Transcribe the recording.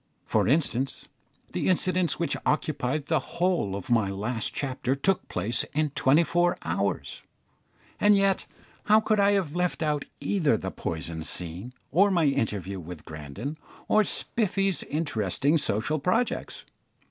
For instance, the incidents which occupied the whole of my last chapter took place in twenty four hours, and yet how could I have left out either the poison scene, or my interview with Grandon, or Spiffy's interesting social projects?